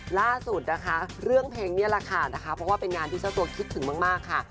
ล่าสุดนะคะเรื่องเพลงนี่แหละค่ะนะคะเพราะว่าเป็นงานที่เจ้าตัวคิดถึงมากค่ะ